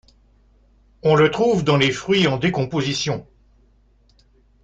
On le trouve dans les fruits en décomposition.